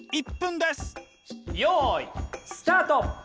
よいスタート！